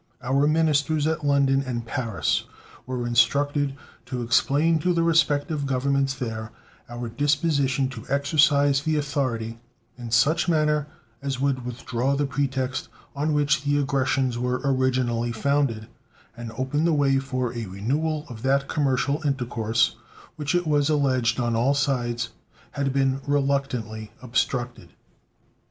Our ministers at London and Paris were instructed to explain to the respective Governments there our disposition to exercise the authority in such manner as would withdraw the pretext on which the aggressions were originally founded and open the way for a renewal of that commercial intercourse which it was alleged on all sides had been reluctantly obstructed.